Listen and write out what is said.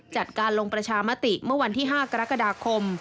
จัดการลงประชามติเมื่อวันที่๕กรกฎาคม